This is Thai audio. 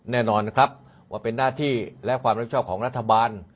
แน่นอนนะครับว่าเป็นหน้าที่และความรับผิดชอบของรัฐบาล